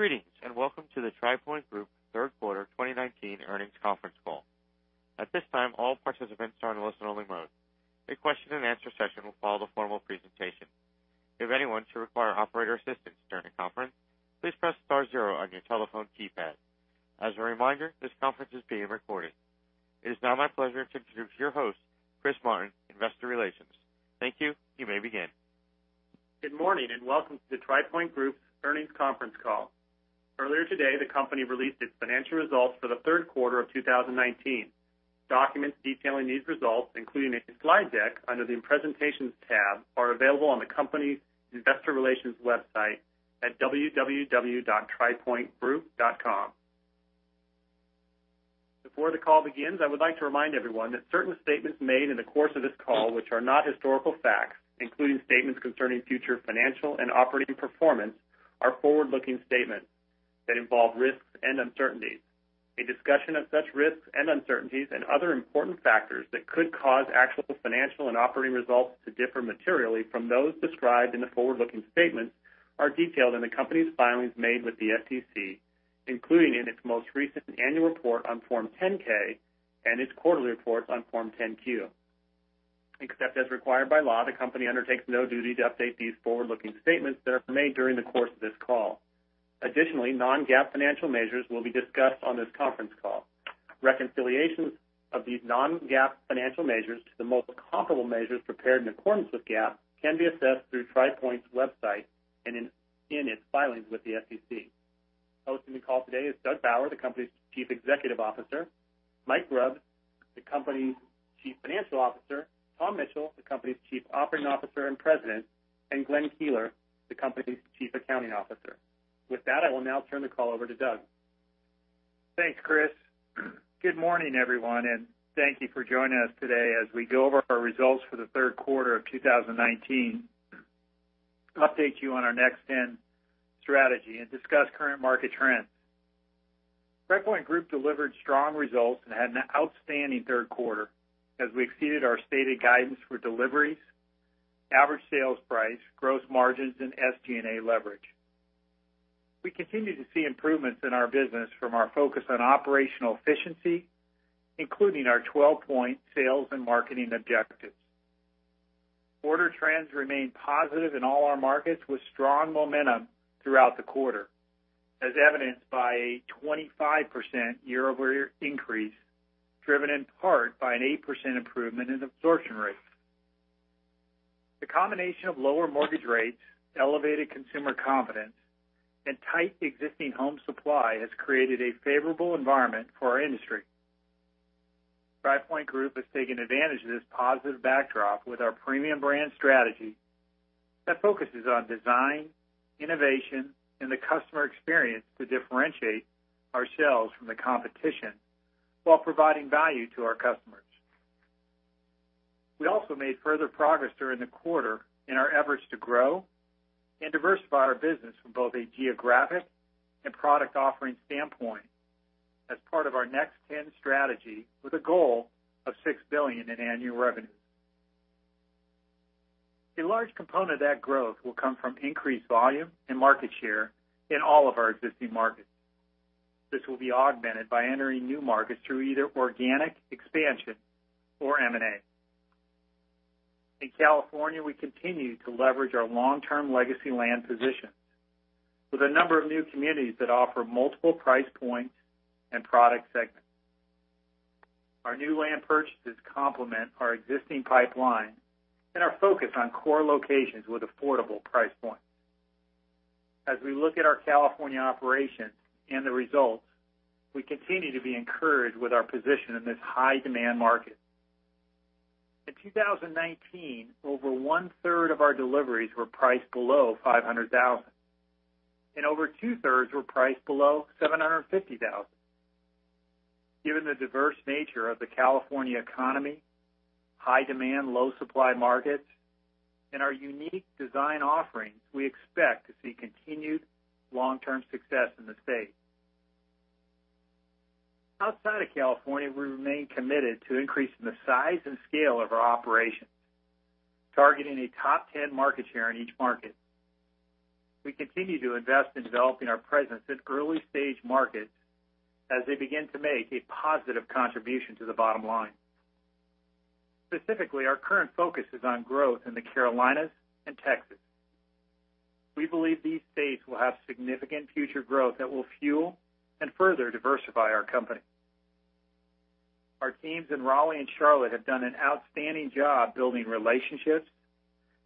Greetings, and welcome to the Tri Pointe Group third quarter 2019 earnings conference call. At this time, all participants are in listen-only mode. A question and answer session will follow the formal presentation. If anyone should require operator assistance during the conference, please press star zero on your telephone keypad. As a reminder, this conference is being recorded. It is now my pleasure to introduce your host, Chris Martin, investor relations. Thank you. You may begin. Good morning, and welcome to the Tri Pointe Group's earnings conference call. Earlier today, the company released its financial results for the third quarter of 2019. Documents detailing these results, including a slide deck under the Presentations tab, are available on the company's investor relations website at www.tripointegroup.com. Before the call begins, I would like to remind everyone that certain statements made in the course of this call, which are not historical facts, including statements concerning future financial and operating performance, are forward-looking statements that involve risks and uncertainties. A discussion of such risks and uncertainties and other important factors that could cause actual financial and operating results to differ materially from those described in the forward-looking statements are detailed in the company's filings made with the SEC, including in its most recent annual report on Form 10-K and its quarterly reports on Form 10-Q. Except as required by law, the company undertakes no duty to update these forward-looking statements that are made during the course of this call. Additionally, non-GAAP financial measures will be discussed on this conference call. Reconciliations of these non-GAAP financial measures to the most comparable measures prepared in accordance with GAAP can be assessed through Tri Pointe's website and in its filings with the SEC. Hosting the call today is Doug Bauer, the company's Chief Executive Officer, Mike Grubb, the company's Chief Financial Officer, Tom Mitchell, the company's Chief Operating Officer and President, and Glenn Keeler, the company's Chief Accounting Officer. With that, I will now turn the call over to Doug. Thanks, Chris. Good morning, everyone, and thank you for joining us today as we go over our results for the third quarter of 2019, update you on our Next 10 strategy, and discuss current market trends. Tri Pointe Group delivered strong results and had an outstanding third quarter as we exceeded our stated guidance for deliveries, average sales price, gross margins, and SG&A leverage. We continue to see improvements in our business from our focus on operational efficiency, including our 12-point sales and marketing objectives. Order trends remain positive in all our markets with strong momentum throughout the quarter, as evidenced by a 25% year-over-year increase, driven in part by an 8% improvement in absorption rates. The combination of lower mortgage rates, elevated consumer confidence, and tight existing home supply has created a favorable environment for our industry. Tri Pointe Group has taken advantage of this positive backdrop with our premium brand strategy that focuses on design, innovation, and the customer experience to differentiate ourselves from the competition while providing value to our customers. We also made further progress during the quarter in our efforts to grow and diversify our business from both a geographic and product offering standpoint as part of our Next 10 strategy with a goal of $6 billion in annual revenue. A large component of that growth will come from increased volume and market share in all of our existing markets. This will be augmented by entering new markets through either organic expansion or M&A. In California, we continue to leverage our long-term legacy land position with a number of new communities that offer multiple price points and product segments. Our new land purchases complement our existing pipeline and our focus on core locations with affordable price points. As we look at our California operations and the results, we continue to be encouraged with our position in this high-demand market. In 2019, over 1/3 of our deliveries were priced below $500,000, and over 2/3 were priced below $750,000. Given the diverse nature of the California economy, high demand, low supply markets, and our unique design offerings, we expect to see continued long-term success in the state. Outside of California, we remain committed to increasing the size and scale of our operations, targeting a top 10 market share in each market. We continue to invest in developing our presence in early-stage markets as they begin to make a positive contribution to the bottom line. Specifically, our current focus is on growth in the Carolinas and Texas. We believe these states will have significant future growth that will fuel and further diversify our company. Our teams in Raleigh and Charlotte have done an outstanding job building relationships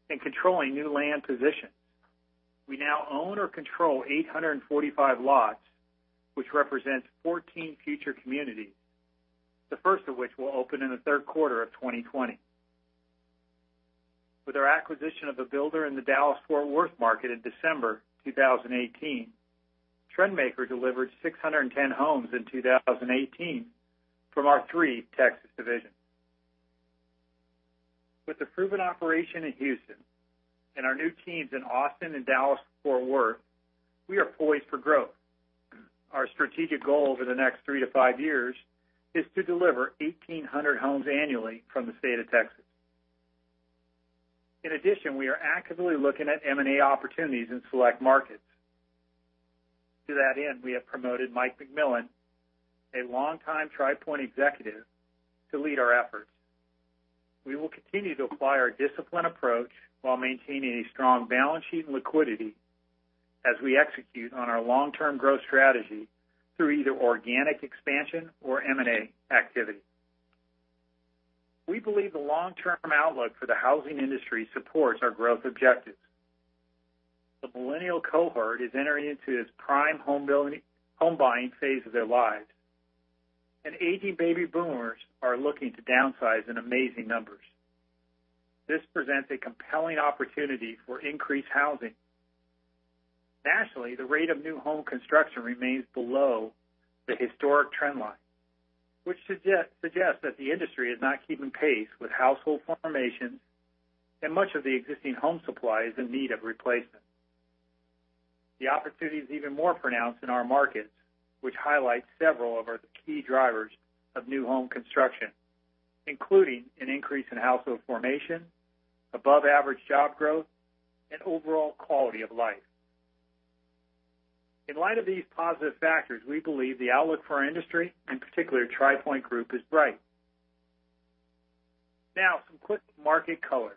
and controlling new land positions. We now own or control 845 lots, which represents 14 future communities, the first of which will open in the third quarter of 2020. With our acquisition of a builder in the Dallas-Fort Worth market in December 2018, Trendmaker delivered 610 homes in 2018 from our three Texas divisions. With a proven operation in Houston and our new teams in Austin and Dallas-Fort Worth, we are poised for growth. Our strategic goal over the next 3-5 years is to deliver 1,800 homes annually from the state of Texas. In addition, we are actively looking at M&A opportunities in select markets. To that end, we have promoted Mike McMillen, a longtime Tri Pointe executive, to lead our efforts. We will continue to apply our disciplined approach while maintaining a strong balance sheet and liquidity as we execute on our long-term growth strategy through either organic expansion or M&A activity. We believe the long-term outlook for the housing industry supports our growth objectives. The millennial cohort is entering into its prime home buying phase of their lives, and aging baby boomers are looking to downsize in amazing numbers. This presents a compelling opportunity for increased housing. Nationally, the rate of new home construction remains below the historic trend line, which suggests that the industry is not keeping pace with household formation, and much of the existing home supply is in need of replacement. The opportunity is even more pronounced in our markets, which highlights several of our key drivers of new home construction, including an increase in household formation, above-average job growth, and overall quality of life. In light of these positive factors, we believe the outlook for our industry, in particular, Tri Pointe Group, is bright. Now, some quick market color.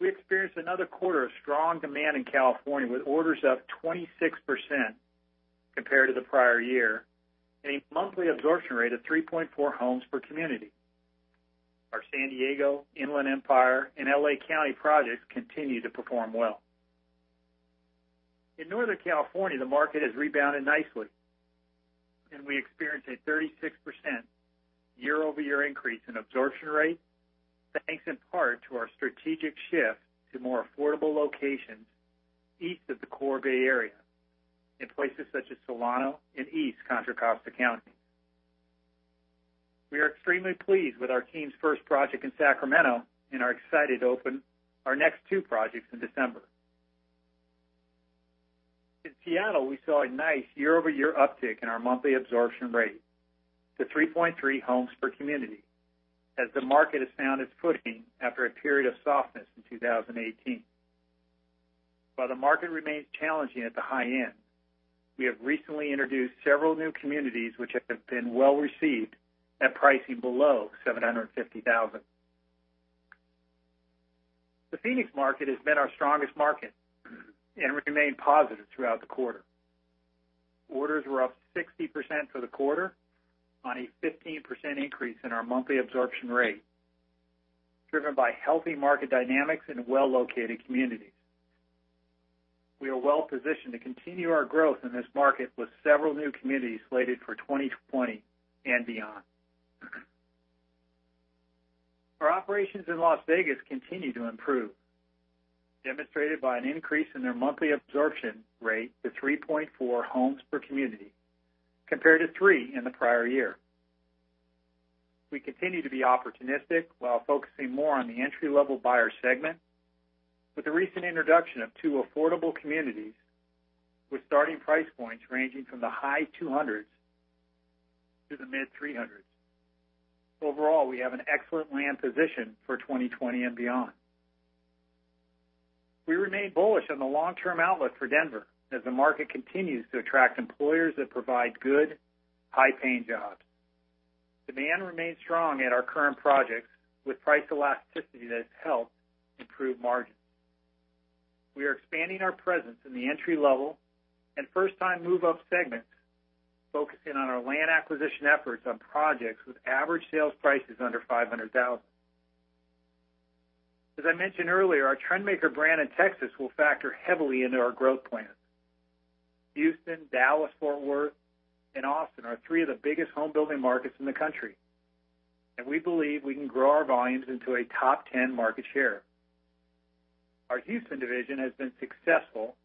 We experienced another quarter of strong demand in California with orders up 26% compared to the prior year, and a monthly absorption rate of 3.4 homes per community. Our San Diego, Inland Empire, and L.A. County projects continue to perform well. In Northern California, the market has rebounded nicely, and we experienced a 36% year-over-year increase in absorption rate, thanks in part to our strategic shift to more affordable locations east of the core Bay Area, in places such as Solano and East Contra Costa County. We are extremely pleased with our team's first project in Sacramento and are excited to open our next two projects in December. In Seattle, we saw a nice year-over-year uptick in our monthly absorption rate to 3.3 homes per community, as the market has found its footing after a period of softness in 2018. While the market remains challenging at the high-end, we have recently introduced several new communities which have been well-received at pricing below $750,000. The Phoenix market has been our strongest market and remained positive throughout the quarter. Orders were up 60% for the quarter on a 15% increase in our monthly absorption rate, driven by healthy market dynamics and well-located communities. We are well-positioned to continue our growth in this market with several new communities slated for 2020 and beyond. Our operations in Las Vegas continue to improve, demonstrated by an increase in their monthly absorption rate to 3.4 homes per community compared to three in the prior year. We continue to be opportunistic while focusing more on the entry-level buyer segment with the recent introduction of two affordable communities with starting price points ranging from the high $200s to the mid $300s. Overall, we have an excellent land position for 2020 and beyond. We remain bullish on the long-term outlook for Denver as the market continues to attract employers that provide good, high-paying jobs. Demand remains strong at our current projects with price elasticity that has helped improve margins. We are expanding our presence in the entry-level and first-time move-up segments, focusing on our land acquisition efforts on projects with average sales prices under $500,000. As I mentioned earlier, our Trendmaker brand in Texas will factor heavily into our growth plans. Houston, Dallas, Fort Worth, and Austin are three of the biggest home building markets in the country, and we believe we can grow our volumes into a top 10 market share. Our Houston division has been successful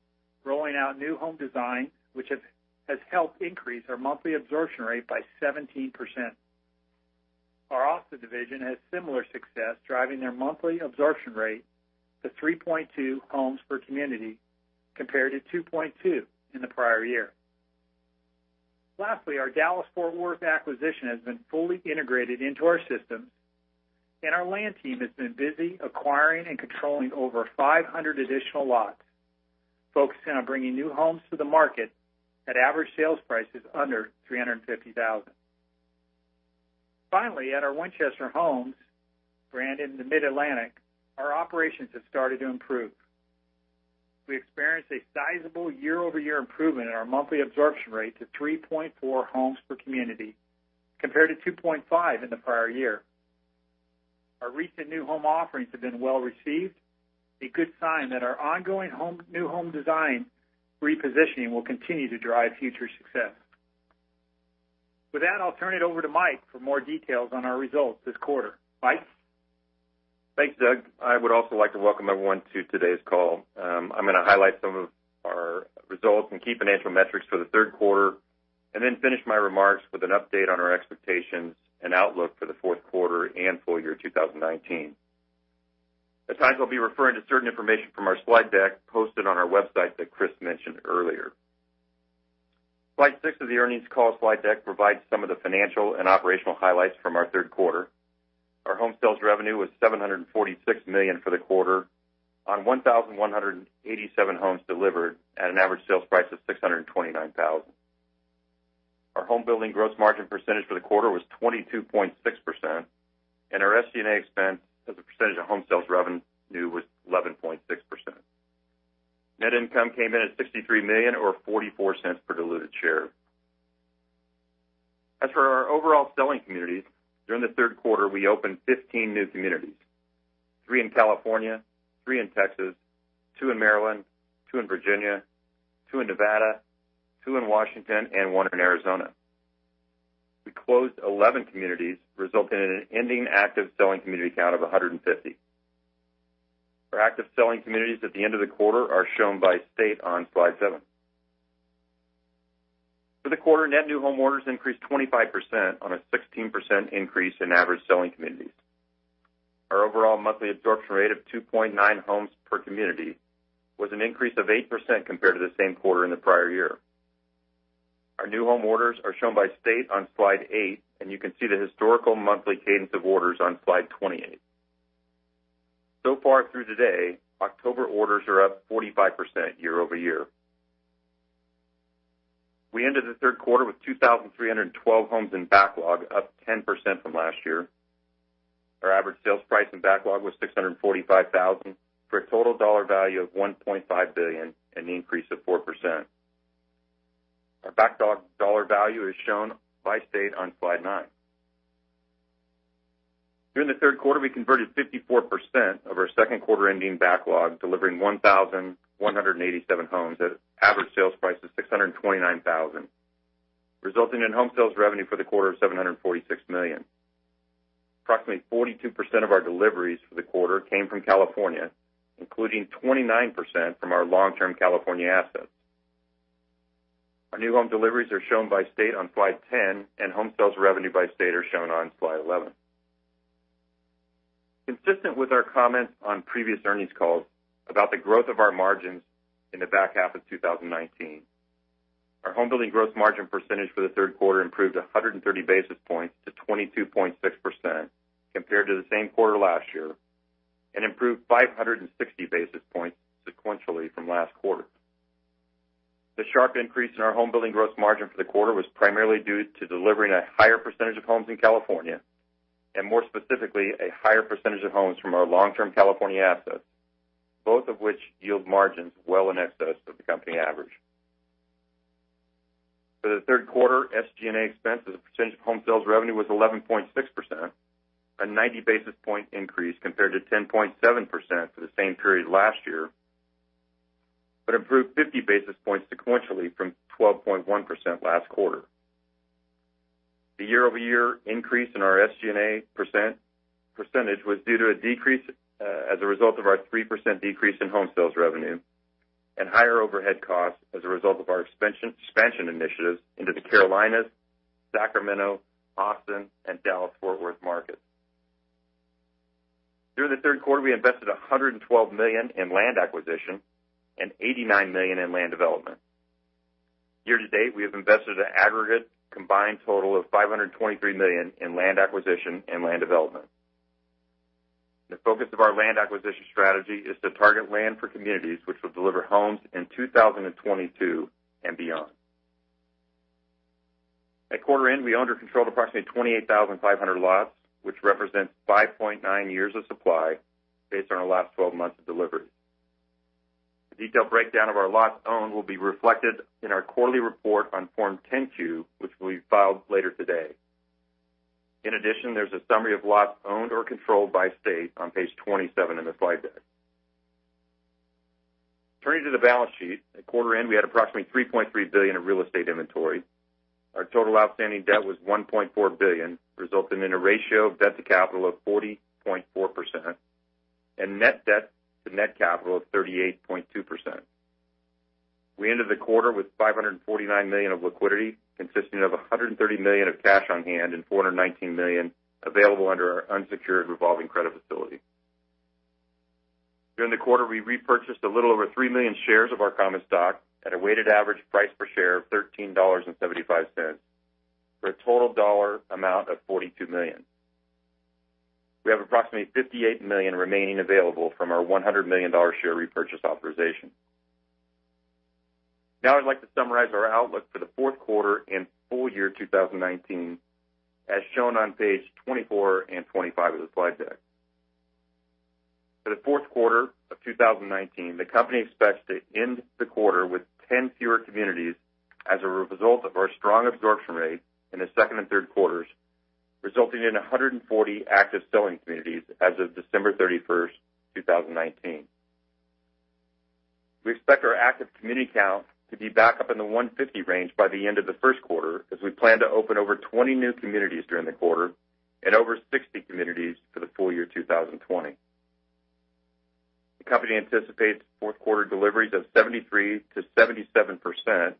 rolling out new home designs, which has helped increase our monthly absorption rate by 17%. Our Austin division has similar success driving their monthly absorption rate to 3.2 homes per community compared to 2.2 in the prior year. Lastly, our Dallas Fort Worth acquisition has been fully integrated into our systems, and our land team has been busy acquiring and controlling over 500 additional lots, focusing on bringing new homes to the market at average sales prices under $350,000. Finally, at our Winchester Homes brand in the Mid-Atlantic, our operations have started to improve. We experienced a sizable year-over-year improvement in our monthly absorption rate to 3.4 homes per community compared to 2.5 in the prior year. Our recent new home offerings have been well-received, a good sign that our ongoing new home design repositioning will continue to drive future success. With that, I'll turn it over to Mike for more details on our results this quarter. Mike? Thanks, Doug. I would also like to welcome everyone to today's call. I'm going to highlight some of our results and key financial metrics for the third quarter, and then finish my remarks with an update on our expectations and outlook for the fourth quarter and full year 2019. At times, I'll be referring to certain information from our slide deck posted on our website that Chris mentioned earlier. Slide six of the earnings call slide deck provides some of the financial and operational highlights from our third quarter. Our home sales revenue was $746 million for the quarter on 1,187 homes delivered at an average sales price of $629,000. Our home building gross margin for the quarter was 22.6%, and our SG&A expense as a % of home sales revenue was 11.6%. Net income came in at $63 million, or $0.44 per diluted share. As for our overall selling communities, during the third quarter, we opened 15 new communities, three in California, three in Texas, two in Maryland, two in Virginia, two in Nevada, two in Washington, and one in Arizona. We closed 11 communities, resulting in an ending active selling community count of 150. Our active selling communities at the end of the quarter are shown by state on slide seven. For the quarter, net new home orders increased 25% on a 16% increase in average selling communities. Our overall monthly absorption rate of 2.9 homes per community was an increase of 8% compared to the same quarter in the prior year. Our new home orders are shown by state on slide eight, and you can see the historical monthly cadence of orders on slide 28. Far through today, October orders are up 45% year-over-year. We ended the third quarter with 2,312 homes in backlog, up 10% from last year. Our average sales price in backlog was $645,000 for a total dollar value of $1.5 billion, an increase of 4%. Our backlog dollar value is shown by state on slide nine. During the third quarter, we converted 54% of our second quarter ending backlog, delivering 1,187 homes at average sales price of $629,000, resulting in home sales revenue for the quarter of $746 million. Approximately 42% of our deliveries for the quarter came from California, including 29% from our long-term California assets. Our new home deliveries are shown by state on slide 10, and home sales revenue by state are shown on slide 11. Consistent with our comments on previous earnings calls about the growth of our margins in the back half of 2019, our home building gross margin percentage for the third quarter improved 130 basis points to 22.6% compared to the same quarter last year, and improved 560 basis points sequentially from last quarter. The sharp increase in our home building gross margin for the quarter was primarily due to delivering a higher percentage of homes in California, and more specifically, a higher percentage of homes from our long-term California assets, both of which yield margins well in excess of the company average. For the third quarter, SG&A expense as a percentage of home sales revenue was 11.6%, a 90 basis point increase compared to 10.7% for the same period last year, but improved 50 basis points sequentially from 12.1% last quarter. The year-over-year increase in our SG&A percentage was due to a decrease as a result of our 3% decrease in home sales revenue and higher overhead costs as a result of our expansion initiatives into the Carolinas, Sacramento, Austin, and Dallas-Fort Worth markets. During the third quarter, we invested $112 million in land acquisition and $89 million in land development. Year to date, we have invested an aggregate combined total of $523 million in land acquisition and land development. The focus of our land acquisition strategy is to target land for communities which will deliver homes in 2022 and beyond. At quarter end, we owned or controlled approximately 28,500 lots, which represents 5.9 years of supply based on our last 12 months of delivery. A detailed breakdown of our lots owned will be reflected in our quarterly report on Form 10-Q, which will be filed later today. In addition, there's a summary of lots owned or controlled by state on page 27 in the slide deck. Turning to the balance sheet. At quarter end, we had approximately $3.3 billion of real estate inventory. Our total outstanding debt was $1.4 billion, resulting in a ratio of debt to capital of 40.4%, and net debt to net capital of 38.2%. We ended the quarter with $549 million of liquidity, consisting of $130 million of cash on hand and $419 million available under our unsecured revolving credit facility. During the quarter, we repurchased a little over 3 million shares of our common stock at a weighted average price per share of $13.75, for a total dollar amount of $42 million. We have approximately $58 million remaining available from our $100 million share repurchase authorization. Now I'd like to summarize our outlook for the fourth quarter and full year 2019, as shown on page 24 and 25 of the slide deck. For the fourth quarter of 2019, the company expects to end the quarter with 10 fewer communities as a result of our strong absorption rate in the second and third quarters, resulting in 140 active selling communities as of December 31st, 2019. We expect our active community count to be back up in the 150 range by the end of the first quarter, as we plan to open over 20 new communities during the quarter and over 60 communities for the full year 2020. The company anticipates fourth quarter deliveries of 73%-77%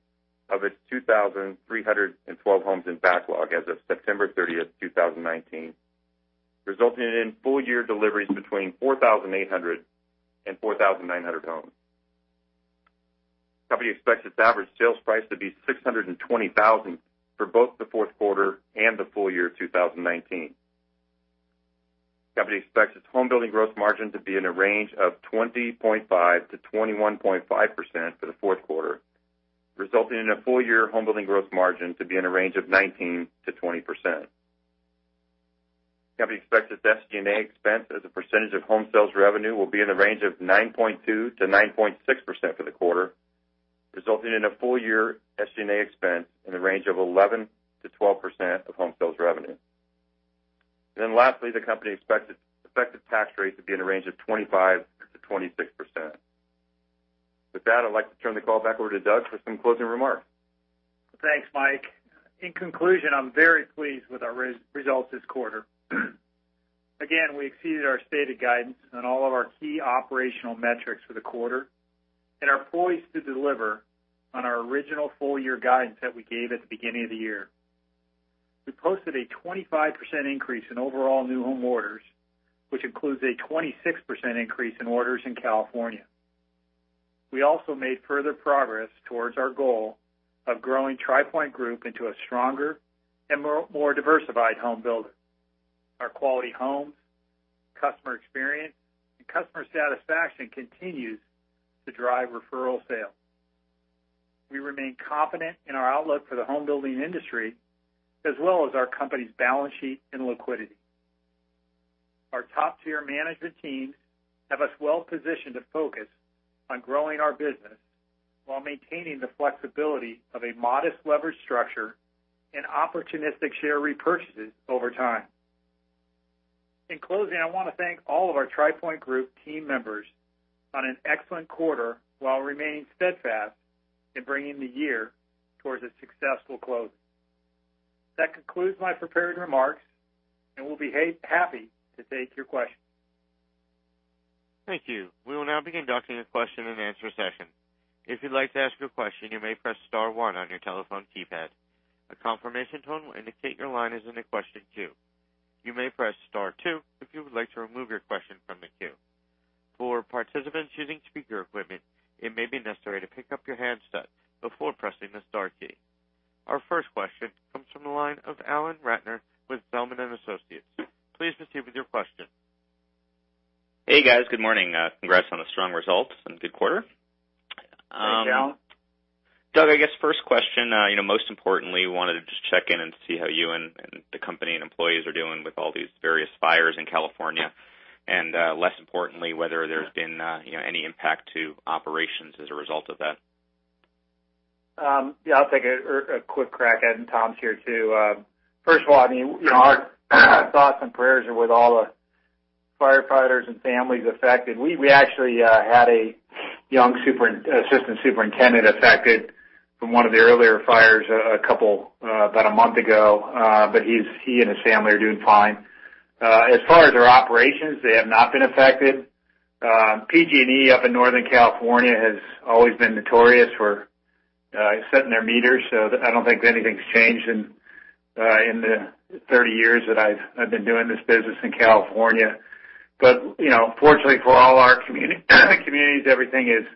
of its 2,312 homes in backlog as of September 30th, 2019. Resulting in full-year deliveries between 4,800 and 4,900 homes. Company expects its average sales price to be $620,000 for both the fourth quarter and the full year of 2019. Company expects its homebuilding gross margin to be in a range of 20.5%-21.5% for the fourth quarter, resulting in a full-year homebuilding gross margin to be in a range of 19%-20%. Company expects its SG&A expense as a percentage of home sales revenue will be in the range of 9.2%-9.6% for the quarter, resulting in a full-year SG&A expense in the range of 11%-12% of home sales revenue. Lastly, the company expects its effective tax rate to be in the range of 25%-26%. With that, I'd like to turn the call back over to Doug for some closing remarks. Thanks, Mike. In conclusion, I'm very pleased with our results this quarter. Again, we exceeded our stated guidance on all of our key operational metrics for the quarter and are poised to deliver on our original full-year guidance that we gave at the beginning of the year. We posted a 25% increase in overall new home orders, which includes a 26% increase in orders in California. We also made further progress towards our goal of growing Tri Pointe Group into a stronger and more diversified home builder. Our quality homes, customer experience, and customer satisfaction continues to drive referral sales. We remain confident in our outlook for the home building industry, as well as our company's balance sheet and liquidity. Our top-tier management teams have us well-positioned to focus on growing our business while maintaining the flexibility of a modest leverage structure and opportunistic share repurchases over time. In closing, I want to thank all of our Tri Pointe Group team members on an excellent quarter while remaining steadfast in bringing the year towards a successful close. That concludes my prepared remarks, and we'll be happy to take your questions. Thank you. We will now begin conducting a question and answer session. If you'd like to ask a question, you may press star one on your telephone keypad. A confirmation tone will indicate your line is in the question queue. You may press star two if you would like to remove your question from the queue. For participants using speaker equipment, it may be necessary to pick up your handset before pressing the star key. Our first question comes from the line of Alan Ratner with Zelman & Associates. Please proceed with your question. Hey, guys. Good morning. Congrats on the strong results and good quarter. Thanks, Alan. Doug, I guess first question, most importantly, wanted to just check in and see how you and the company and employees are doing with all these various fires in California, and, less importantly, whether there's been any impact to operations as a result of that? Yeah, I'll take a quick crack at it. Tom's here, too. First of all, our thoughts and prayers are with all the firefighters and families affected. We actually had a young assistant superintendent affected from one of the earlier fires about a month ago, but he and his family are doing fine. As far as our operations, they have not been affected. PG&E up in Northern California has always been notorious for setting their meters, so I don't think anything's changed in the 30 years that I've been doing this business in California. Fortunately for all our communities, everything is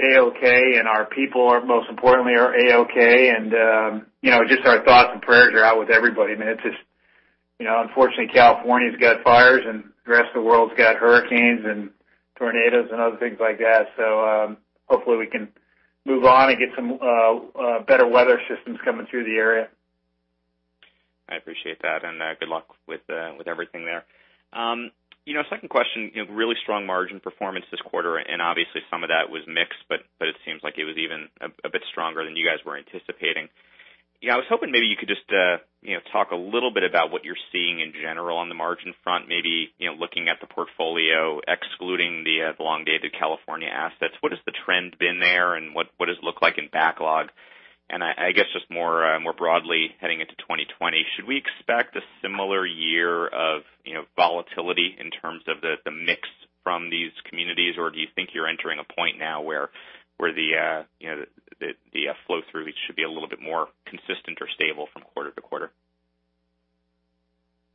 A-OK, and our people, most importantly, are A-OK. Just our thoughts and prayers are out with everybody. Man, it's just unfortunately, California's got fires and the rest of the world's got hurricanes and tornadoes and other things like that. Hopefully we can move on and get some better weather systems coming through the area. I appreciate that. Good luck with everything there. Second question, really strong margin performance this quarter. Obviously, some of that was mixed, but it seems like it was even a bit stronger than you guys were anticipating. I was hoping maybe you could just talk a little bit about what you're seeing in general on the margin front, maybe looking at the portfolio, excluding the elongated California assets. What has the trend been there? What does it look like in backlog? I guess just more broadly, heading into 2020, should we expect a similar year of volatility in terms of the mix from these communities, or do you think you're entering a point now where the flow-through should be a little bit more consistent or stable from quarter to quarter?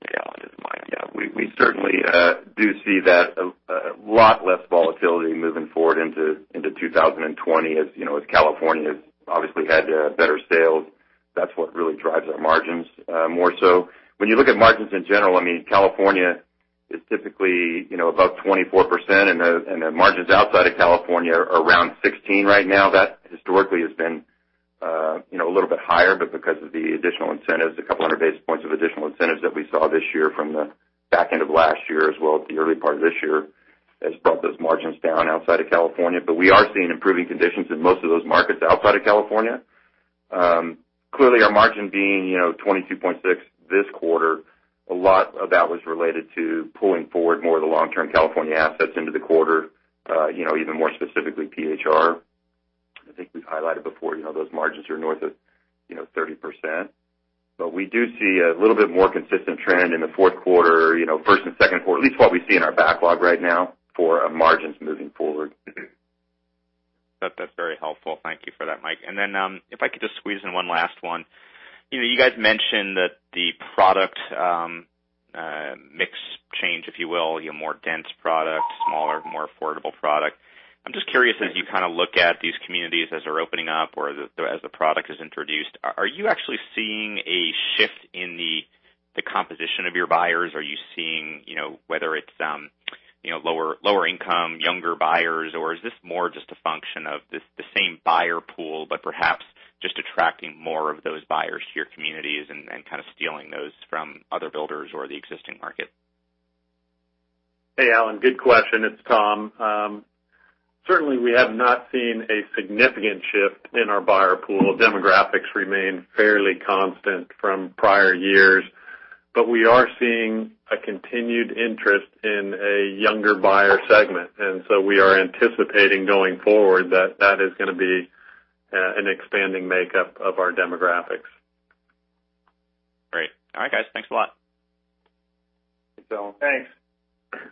Yeah. Alan, it's Mike. Yeah, we certainly do see that a lot less volatility moving forward into 2020 as California's obviously had better sales. That's what really drives our margins more so. When you look at margins in general, California is typically about 24%, and the margins outside of California are around 16% right now. That historically has been a little bit higher, but because of the additional incentives, a couple of hundred basis points of additional incentives that we saw this year from the back end of last year as well as the early part of this year, has brought those margins down outside of California. We are seeing improving conditions in most of those markets outside of California. Clearly, our margin being 22.6% this quarter, a lot of that was related to pulling forward more of the long-term California assets into the quarter, even more specifically, PHR. I think we've highlighted before, those margins are north of 30%. We do see a little bit more consistent trend in the fourth quarter, first and second quarter, at least what we see in our backlog right now for margins moving forward. That's very helpful. Thank you for that, Mike. If I could just squeeze in one last one. You guys mentioned that the product mix change, if you will, more dense product, smaller, more affordable product. I'm just curious, as you look at these communities as they're opening up or as the product is introduced, are you actually seeing a shift in the composition of your buyers? Are you seeing whether it's lower income, younger buyers, or is this more just a function of the same buyer pool, but perhaps just attracting more of those buyers to your communities and kind of stealing those from other builders or the existing market? Hey, Alan, good question. It's Tom. Certainly, we have not seen a significant shift in our buyer pool. Demographics remain fairly constant from prior years. We are seeing a continued interest in a younger buyer segment. We are anticipating going forward that that is going to be an expanding makeup of our demographics. Great. All right, guys. Thanks a lot. Thanks, Alan. Thanks.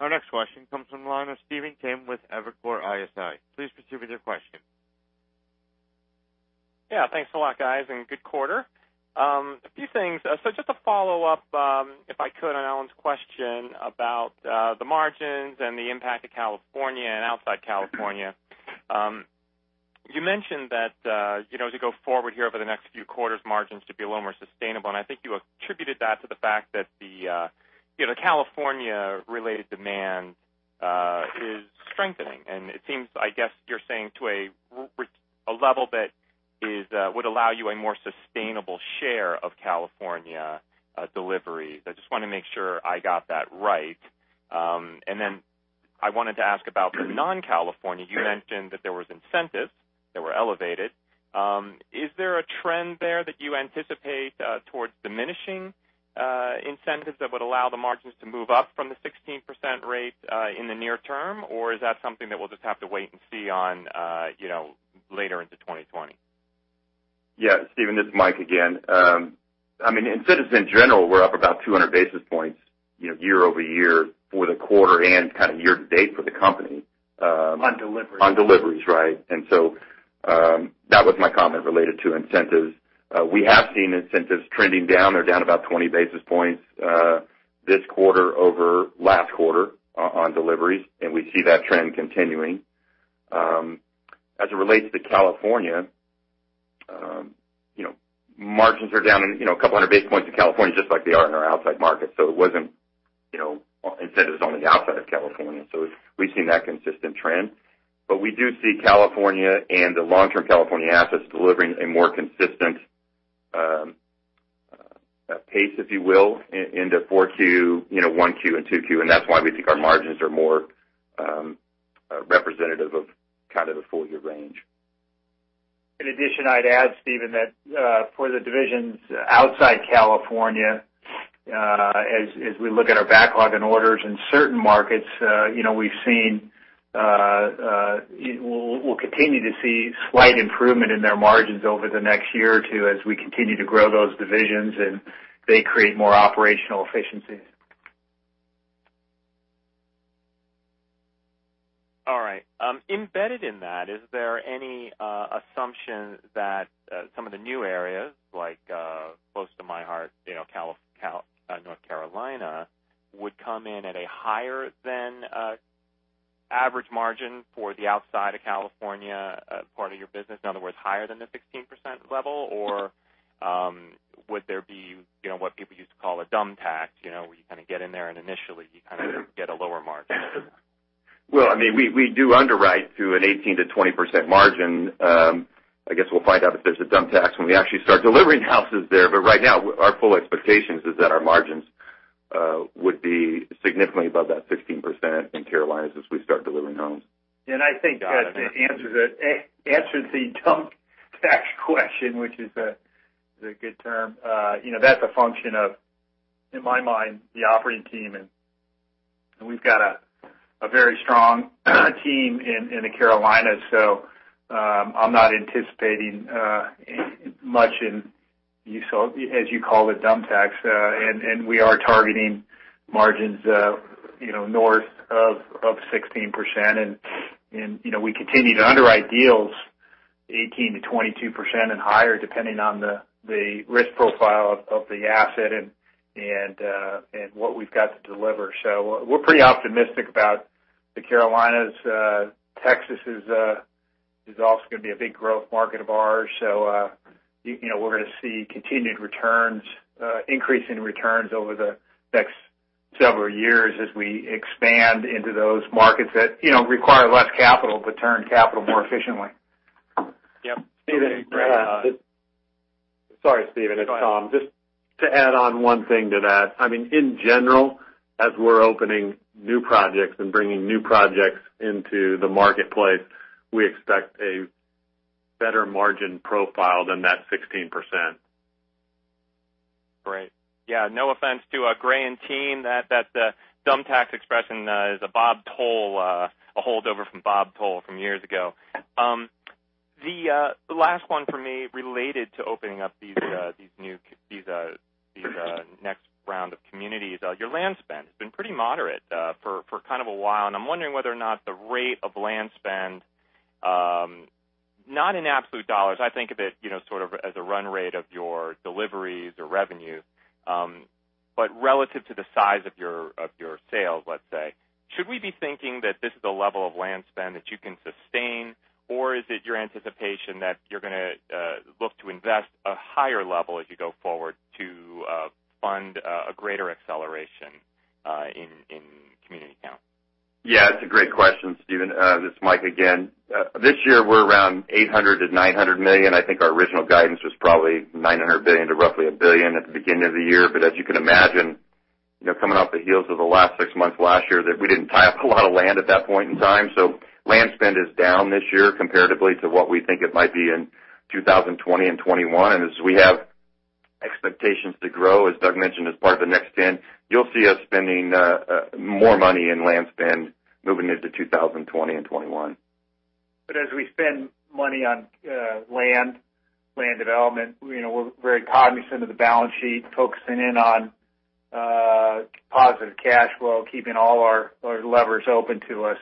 Our next question comes from the line of Stephen Kim with Evercore ISI. Please proceed with your question. Yeah. Thanks a lot, guys, and good quarter. A few things. Just a follow-up, if I could, on Alan's question about the margins and the impact of California and outside California. You mentioned that, as we go forward here over the next few quarters, margins should be a little more sustainable, and I think you attributed that to the fact that the California-related demand is strengthening, and it seems, I guess, you're saying to a level that would allow you a more sustainable share of California delivery. I just want to make sure I got that right. Then I wanted to ask about the non-California. You mentioned that there was incentives that were elevated. Is there a trend there that you anticipate towards diminishing incentives that would allow the margins to move up from the 16% rate in the near term, or is that something that we'll just have to wait and see on later into 2020? Yeah, Stephen, this is Mike again. In cities in general, we're up about 200 basis points year-over-year for the quarter and kind of year-to-date for the company. On delivery. On deliveries, right. That was my comment related to incentives. We have seen incentives trending down. They're down about 20 basis points this quarter over last quarter on deliveries, and we see that trend continuing. As it relates to California, margins are down a couple hundred basis points in California, just like they are in our outside markets. It wasn't incentives only outside of California. We've seen that consistent trend. We do see California and the long-term California assets delivering a more consistent pace, if you will, into 1Q and 2Q. That's why we think our margins are more representative of kind of the full year range. I'd add, Stephen, that for the divisions outside California, as we look at our backlog and orders in certain markets, we'll continue to see slight improvement in their margins over the next year or two as we continue to grow those divisions and they create more operational efficiencies. All right. Embedded in that, is there any assumption that some of the new areas, like close to my heart, North Carolina, would come in at a higher than average margin for the outside of California part of your business? In other words, higher than the 16% level, or would there be what people used to call a dumb tax, where you kind of get in there and initially you kind of get a lower margin? Well, we do underwrite to an 18% to 20% margin. I guess we'll find out if there's a dumb tax when we actually start delivering houses there. But right now, our full expectation is that our margins would be significantly above that 16% in Carolinas as we start delivering homes. I think that answers the dumb tax question, which is a good term. That's a function of, in my mind, the operating team, and we've got a very strong team in the Carolinas, so I'm not anticipating much in, as you call it, dumb tax. We are targeting margins north of 16%. We continue to underwrite deals 18%-22% and higher, depending on the risk profile of the asset and what we've got to deliver. We're pretty optimistic about the Carolinas. Texas is also going to be a big growth market of ours. We're going to see continued returns, increase in returns over the next several years as we expand into those markets that require less capital to turn capital more efficiently. Yep. Stephen. Sorry, Stephen, it's Tom. Just to add on one thing to that. In general, as we're opening new projects and bringing new projects into the marketplace, we expect a better margin profile than that 16%. Great. Yeah. No offense to Gray and team, that dumb tax expression is a holdover from Bob Toll from years ago. The last one for me, related to opening up these next round of communities. Your land spend has been pretty moderate for kind of a while, and I'm wondering whether or not the rate of land spend, not in absolute dollars, I think of it sort of as a run rate of your deliveries or revenues. Relative to the size of your sales, let's say, should we be thinking that this is a level of land spend that you can sustain, or is it your anticipation that you're going to look to invest a higher level as you go forward to fund a greater acceleration in community count? Yeah, it's a great question, Stephen. This is Mike again. This year we're around $800 million-$900 million. I think our original guidance was probably $900 billion to roughly $1 billion at the beginning of the year. As you can imagine, coming off the heels of the last 6 months last year, that we didn't tie up a lot of land at that point in time. Land spend is down this year comparatively to what we think it might be in 2020 and 2021. As we have expectations to grow, as Doug mentioned, as part of the Next 10, you'll see us spending more money in land spend moving into 2020 and 2021. As we spend money on land development, we're actually very cognizant of the balance sheet, focusing in on positive cash flow, keeping all our levers open to us.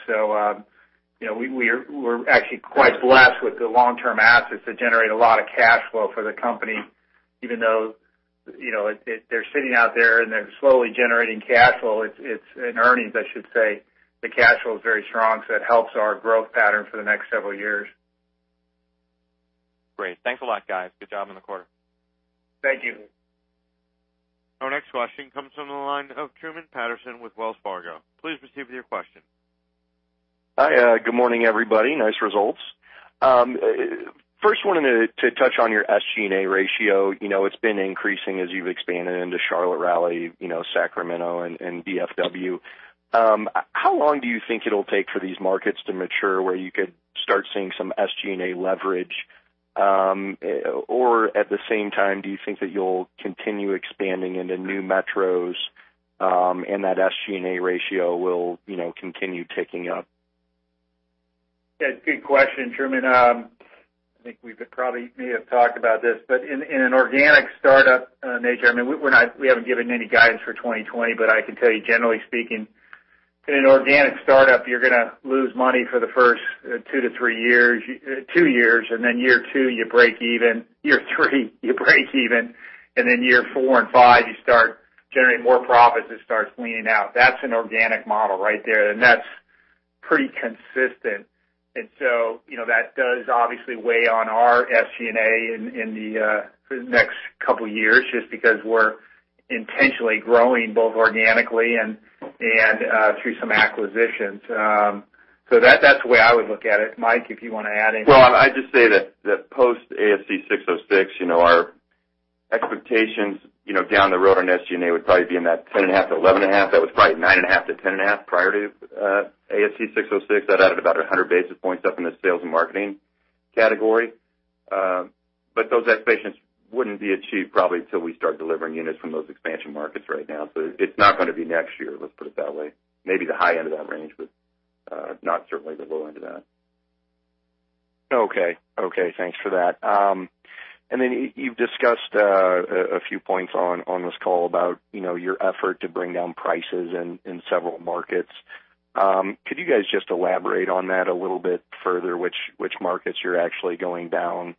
We're actually quite blessed with the long-term assets that generate a lot of cash flow for the company, even though, they're sitting out there and they're slowly generating cash flow. It's in earnings, I should say. The cash flow is very strong, so it helps our growth pattern for the next several years. Great. Thanks a lot, guys. Good job on the quarter. Thank you. Our next question comes from the line of Truman Patterson with Wells Fargo. Please proceed with your question. Hi. Good morning, everybody. Nice results. Wanted to touch on your SG&A ratio. It's been increasing as you've expanded into Charlotte, Raleigh, Sacramento and DFW. How long do you think it'll take for these markets to mature, where you could start seeing some SG&A leverage? At the same time, do you think that you'll continue expanding into new metros, and that SG&A ratio will continue ticking up? Yeah, good question, Truman. I think we probably may have talked about this, but in an organic startup nature, we haven't given any guidance for 2020, but I can tell you, generally speaking, in an organic startup, you're going to lose money for the first 2-3 years. Year two, you break even. Year three, you break even, then year four and five, you start generating more profits. It starts leaning out. That's an organic model right there, and that's pretty consistent. That does obviously weigh on our SG&A in the next couple years, just because we're intentionally growing both organically and through some acquisitions. That's the way I would look at it. Mike, if you want to add anything. Well, I'd just say that post ASC 606, our expectations down the road on SG&A would probably be in that 10.5-11.5. That was probably 9.5-10.5 prior to ASC 606. That added about 100 basis points up in the sales and marketing category. Those expectations wouldn't be achieved probably until we start delivering units from those expansion markets right now. It's not going to be next year, let's put it that way. Maybe the high end of that range, not certainly the low end of that. Okay. Thanks for that. You've discussed a few points on this call about your effort to bring down prices in several markets. Could you guys just elaborate on that a little bit further, which markets you're actually going down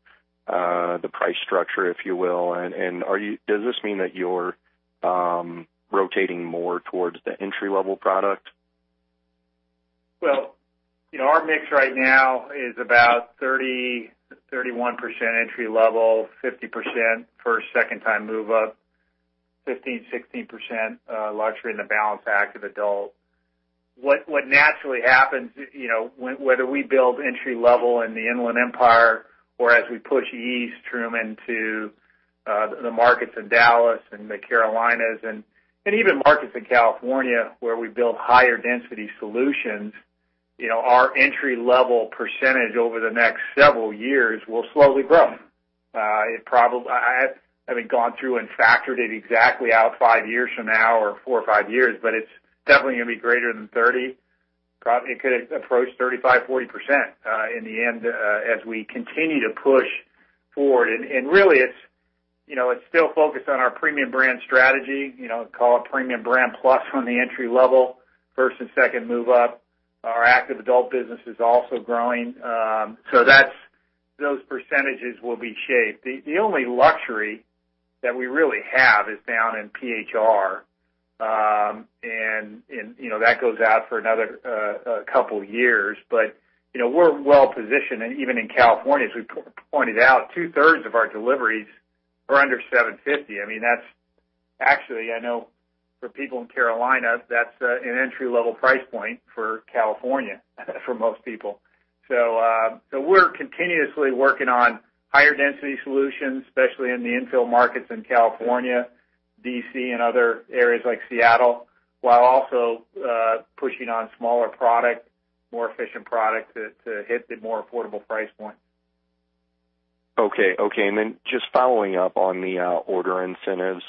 the price structure, if you will, and does this mean that you're rotating more towards the entry-level product? Our mix right now is about 30%-31% entry level, 50% for a second-time move up, 15%-16% luxury, and the balance active adult. What naturally happens, whether we build entry level in the Inland Empire or as we push east, Truman, to the markets in Dallas and the Carolinas and even markets in California where we build higher density solutions, our entry level percentage over the next several years will slowly grow. I haven't gone through and factored it exactly out five years from now, or four or five years, but it's definitely going to be greater than 30. It could approach 35%-40% in the end as we continue to push forward. Really, it's still focused on our premium brand strategy. Call it premium brand plus on the entry level, first and second move up. Our active adult business is also growing. Those percentages will be shaped. The only luxury that we really have is down in PHR. That goes out for another couple years. We're well positioned, and even in California, as we pointed out, two-thirds of our deliveries are under $750. Actually, I know for people in Carolina, that's an entry level price point for California for most people. We're continuously working on higher density solutions, especially in the infill markets in California, D.C., and other areas like Seattle, while also pushing on smaller product, more efficient product to hit the more affordable price point. Okay. Just following up on the order incentives,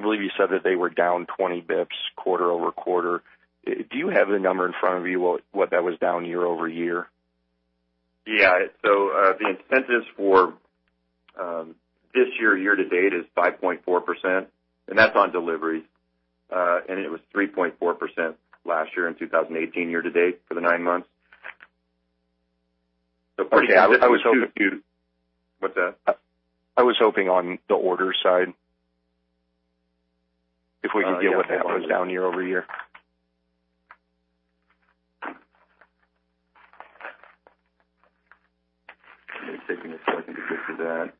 I believe you said that they were down 20 basis points quarter-over-quarter. Do you have the number in front of you what that was down year-over-year? Yeah. The incentives for this year to date is 5.4%, and that's on deliveries. It was 3.4% last year in 2018 year to date for the nine months. Okay. I was hoping. What's that? I was hoping on the order side, if we can get what that was down year-over-year. It's taking a second to get to that.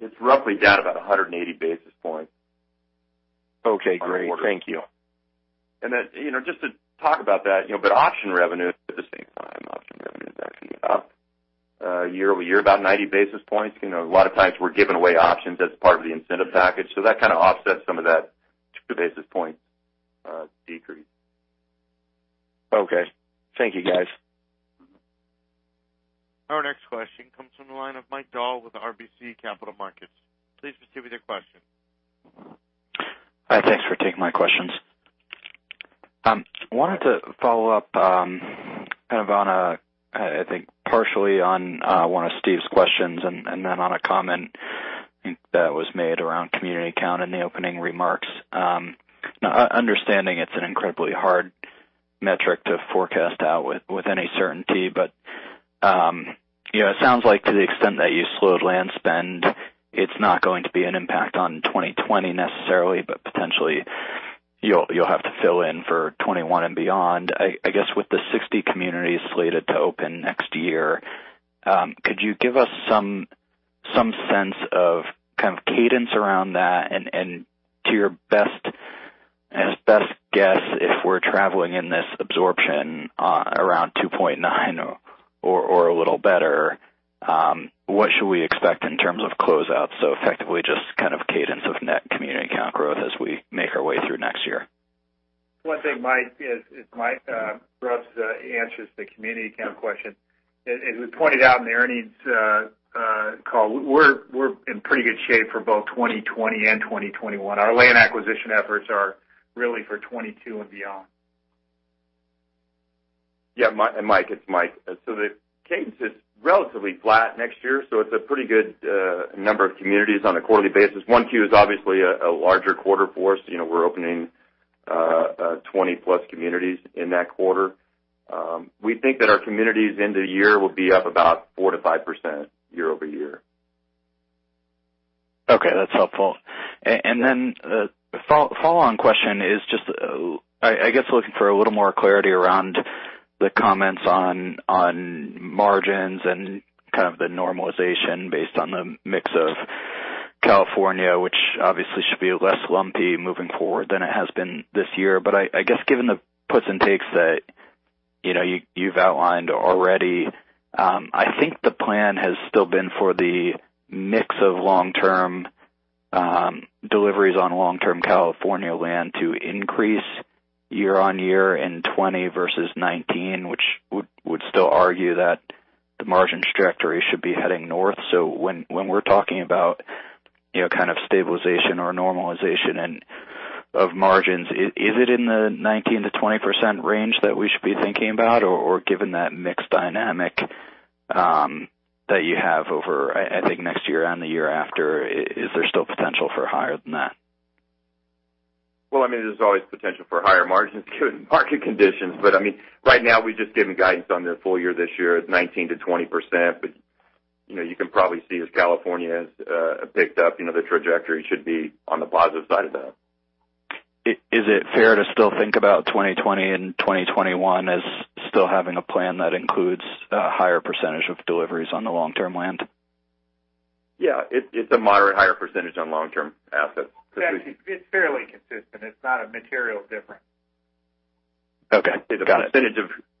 It's roughly down about 180 basis points. Okay, great. Thank you. Just to talk about that, option revenue at the same time, option revenue is actually up year-over-year, about 90 basis points. A lot of times we're giving away options as part of the incentive package. That kind of offsets some of that two basis points decrease. Okay. Thank you, guys. Our next question comes from the line of Michael Dahl with RBC Capital Markets. Please proceed with your question. Hi, thanks for taking my questions. I wanted to follow up kind of on a, I think, partially on one of Steph's questions, and then on a comment that was made around community count in the opening remarks. Now, understanding it's an incredibly hard metric to forecast out with any certainty, but it sounds like to the extent that you slowed land spend, it's not going to be an impact on 2020 necessarily, but potentially you'll have to fill in for 2021 and beyond. I guess, with the 60 communities slated to open next year, could you give us some sense of kind of cadence around that? To your best guess, if we're traveling in this absorption around 2.9 or a little better, what should we expect in terms of closeouts? Effectively, just kind of cadence of net community count growth as we make our way through next year. One thing, Mike, as Mike Grubbs answers the community count question, as we pointed out in the earnings call, we're in pretty good shape for both 2020 and 2021. Our land acquisition efforts are really for 2022 and beyond. Mike, it's Mike. The cadence is relatively flat next year, it's a pretty good number of communities on a quarterly basis. Q1 is obviously a larger quarter for us. We're opening 20 plus communities in that quarter. We think that our communities into the year will be up about 4%-5% year-over-year. Okay, that's helpful. The follow-on question is just, I guess looking for a little more clarity around the comments on margins and kind of the normalization based on the mix of California, which obviously should be less lumpy moving forward than it has been this year. I guess given the puts and takes that you've outlined already, I think the plan has still been for the mix of long-term deliveries on long-term California land to increase year-on-year in 2020 versus 2019, which would still argue that the margin trajectory should be heading north. When we're talking about kind of stabilization or normalization and of margins, is it in the 19%-20% range that we should be thinking about? Given that mix dynamic that you have over, I think, next year and the year after, is there still potential for higher than that? Well, there's always potential for higher margins given market conditions. Right now, we've just given guidance on the full year this year as 19%-20%. You can probably see as California has picked up, the trajectory should be on the positive side of that. Is it fair to still think about 2020 and 2021 as still having a plan that includes a higher percentage of deliveries on the long-term land? Yeah. It's a moderate higher percentage on long-term assets. It's fairly consistent. It's not a material difference. Okay. Got it. The percentage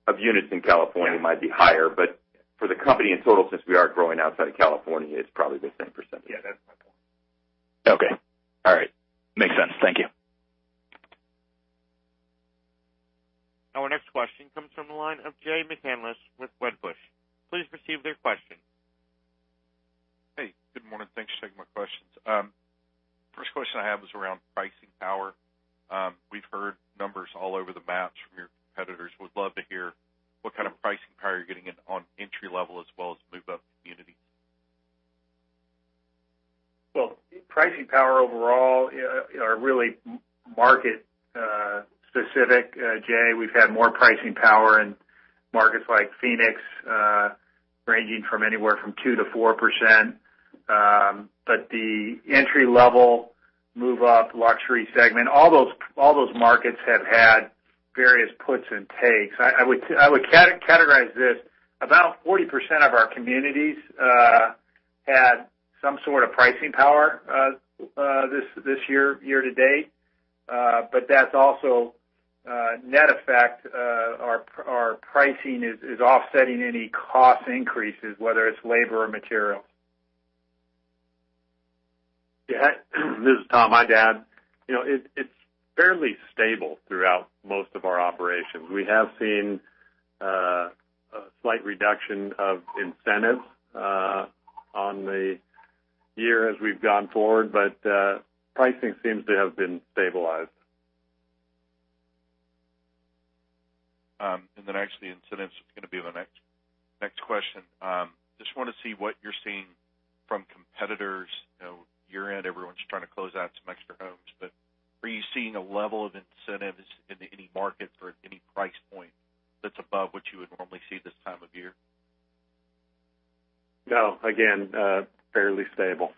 of units in California might be higher, but for the company in total, since we are growing outside of California, it's probably the same percentage. Yeah, that's my point. Okay. All right. Makes sense. Thank you. Our next question comes from the line of Jay McCanless with Wedbush. Please proceed with your question. Hey, good morning. Thanks for taking my questions. First question I have is around pricing power. We've heard numbers all over the maps from your competitors. Would love to hear what kind of pricing power you're getting in on entry level as well as move-up communities. Well, pricing power overall are really market specific, Jay. We've had more pricing power in markets like Phoenix, ranging from anywhere from 2%-4%. The entry level move up luxury segment, all those markets have had various puts and takes. I would categorize this, about 40% of our communities had some sort of pricing power this year to date. That's also net effect, our pricing is offsetting any cost increases, whether it's labor or material. Yeah. This is Tom. I'd add, it's fairly stable throughout most of our operations. We have seen a slight reduction of incentives on the year as we've gone forward, but pricing seems to have been stabilized. Actually, incentives is going to be the next question. Just want to see what you're seeing from competitors. Year-end, everyone's trying to close out some extra homes, are you seeing a level of incentives in any markets or at any price point that's above what you would normally see this time of year? No, again, fairly stable.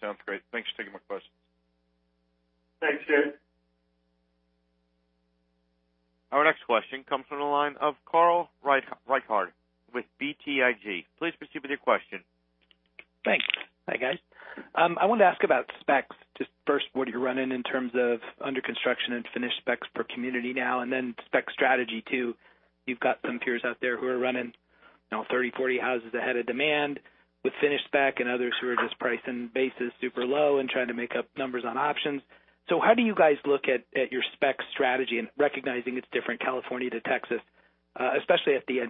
Sounds great. Thanks for taking my questions. Thanks, Jay. Our next question comes from the line of Carl Reichardt with BTIG. Please proceed with your question. Thanks. Hi, guys. I wanted to ask about specs. Just first, what are you running in terms of under construction and finished specs per community now and then spec strategy too. You've got some peers out there who are running now 30, 40 houses ahead of demand with finished spec and others who are just pricing bases super low and trying to make up numbers on options. How do you guys look at your spec strategy and recognizing it's different California to Texas, especially at the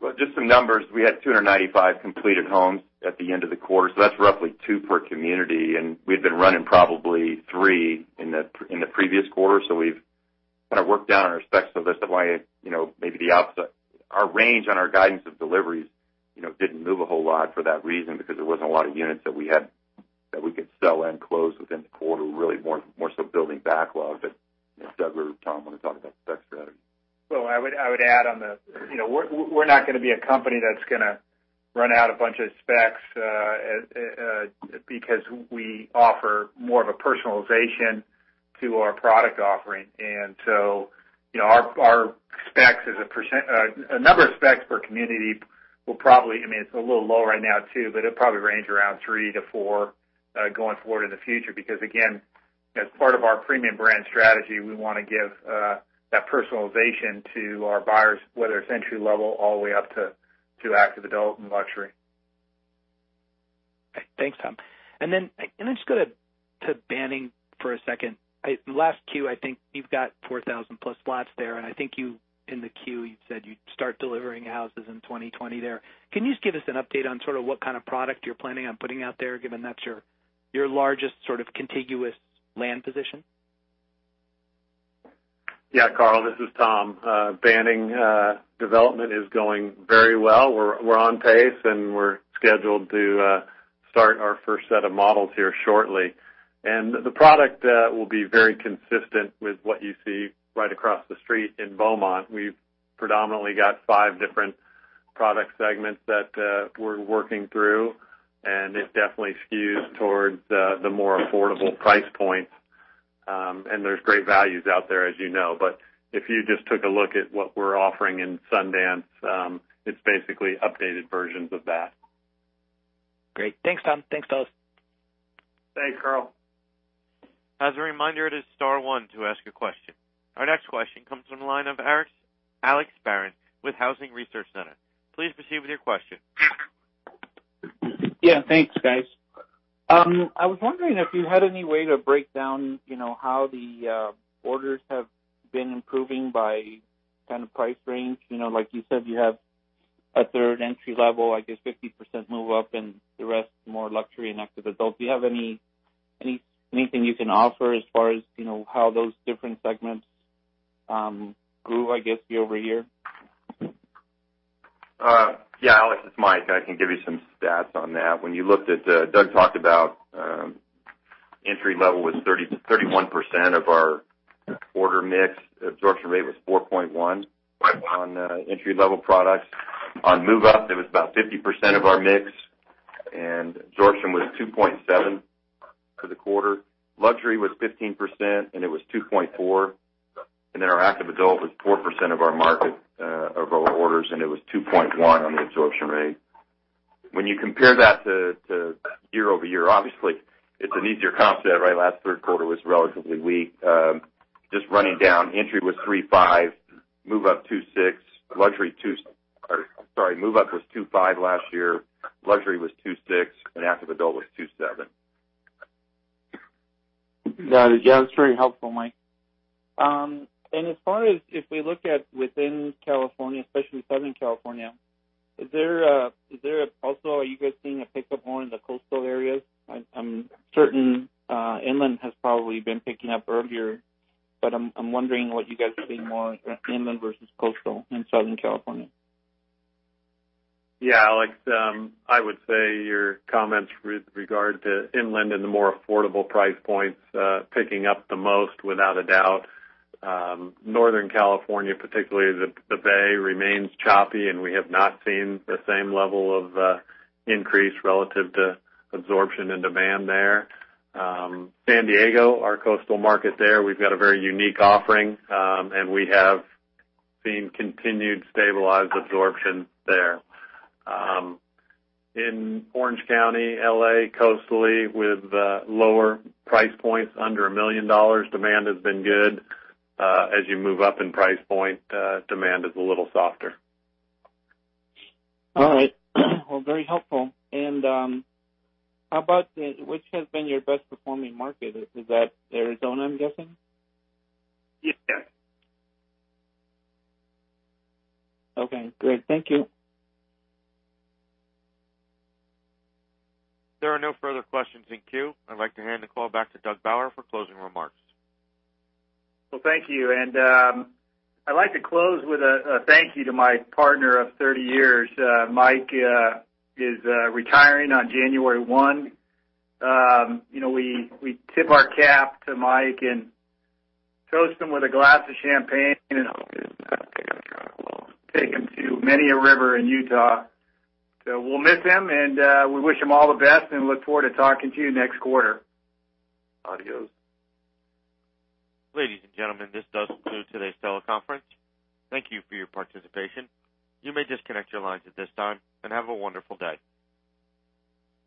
entry-level? Just some numbers. We had 295 completed homes at the end of the quarter, so that's roughly two per community, and we had been running probably three in the previous quarter. We've kind of worked down on our specs a little. That's why maybe the opposite, our range on our guidance of deliveries didn't move a whole lot for that reason, because there wasn't a lot of units that we could sell and close within the quarter, really more so building backlog. If Doug or Tom want to talk about spec strategy. I would add, we're not going to be a company that's going to run out a bunch of specs because we offer more of a personalization to our product offering. Our number of specs per community, it's a little low right now too, but it'll probably range around three to four, going forward in the future. Again, as part of our premium brand strategy, we want to give that personalization to our buyers, whether it's entry-level all the way up to active adult and luxury. Thanks, Tom. I just go to Banning for a second. Last Q, I think you've got 4,000 plus lots there, and I think you, in the Q, you said you'd start delivering houses in 2020 there. Can you just give us an update on sort of what kind of product you're planning on putting out there, given that's your largest sort of contiguous land position? Yeah, Carl, this is Tom. Banning development is going very well. We're on pace and we're scheduled to start our first set of models here shortly. The product will be very consistent with what you see right across the street in Beaumont. We've predominantly got five different product segments that we're working through, and it definitely skews towards the more affordable price points. There's great values out there, as you know. If you just took a look at what we're offering in Sundance, it's basically updated versions of that. Great. Thanks, Tom. Thanks, fellas. Thanks, Carl. As a reminder, it is star one to ask a question. Our next question comes from the line of Alex Barron with Housing Research Center. Please proceed with your question. Yeah, thanks, guys. I was wondering if you had any way to break down how the orders have been improving by kind of price range. Like you said, you have a third entry level, I guess 50% move-up and the rest more luxury and active adult. Do you have anything you can offer as far as how those different segments grew, I guess, year-over-year? Yeah, Alex, it's Mike, and I can give you some stats on that. When you looked at, Doug talked about entry level was 31% of our order mix. Absorption rate was 4.1 on entry level products. On move-up, it was about 50% of our mix, and absorption was 2.7 for the quarter. Luxury was 15%, and it was 2.4. Our active adult was 4% of our market, of our orders, and it was 2.1 on the absorption rate. When you compare that to year-over-year, obviously, it's an easier comp set, right? Last third quarter was relatively weak. Just running down, entry was 3.5, move-up 2.6, sorry, move-up was 2.5 last year. Luxury was 2.6, and active adult was 2.7. Got it. Yeah, that's very helpful, Mike. As far as if we look at within California, especially Southern California, also are you guys seeing a pickup more in the coastal areas? I'm certain inland has probably been picking up earlier, but I'm wondering what you guys are seeing more inland versus coastal in Southern California. Alex, I would say your comments with regard to inland and the more affordable price points picking up the most, without a doubt. Northern California, particularly the Bay, remains choppy, and we have not seen the same level of increase relative to absorption and demand there. San Diego, our coastal market there, we've got a very unique offering, and we have seen continued stabilized absorption there. In Orange County, L.A., coastally with lower price points under $1 million, demand has been good. As you move up in price point, demand is a little softer. All right. Well, very helpful. How about which has been your best performing market? Is that Arizona, I'm guessing? Yes. Okay, great. Thank you. There are no further questions in queue. I'd like to hand the call back to Doug Bauer for closing remarks. Well, thank you. I'd like to close with a thank you to my partner of 30 years. Mike is retiring on January 1. We tip our cap to Mike and toast him with a glass of champagne and take him to many of river in Utah. We'll miss him, and we wish him all the best and look forward to talking to you next quarter. Adios. Ladies and gentlemen, this does conclude today's teleconference. Thank you for your participation. You may disconnect your lines at this time, and have a wonderful day.